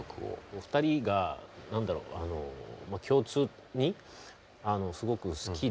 ２人が何だろうな共通にすごく好きで。